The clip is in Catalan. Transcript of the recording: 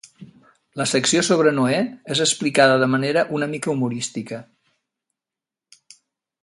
La secció sobre Noè és explicada de manera una mica humorística.